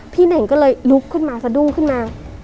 เน่งก็เลยลุกขึ้นมาสะดุ้งขึ้นมา